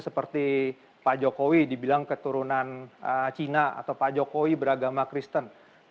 seperti pak jokowi dibilang keturunan cina atau pak jokowi beragama kristen